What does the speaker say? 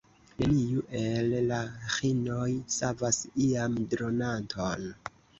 Neniu el la ĥinoj savas iam dronanton.